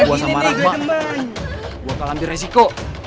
gue sama rahma gue akan ambil resiko